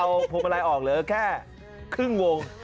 เอาพวกมันอะไรออกเลยแค่ครึ่งวง